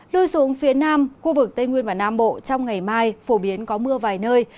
lưu xuống phía nam khu vực tây nguyên và nam bộ trong ngày mai phổ biến có mưa vài nơi